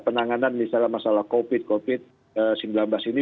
penanganan misalnya masalah covid covid sembilan belas ini